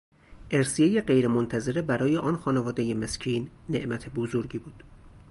ارثیهی غیرمنتظره برای آن خانواده مسکین نعمت بزرگی بود.